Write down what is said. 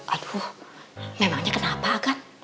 aduh memangnya kenapa agan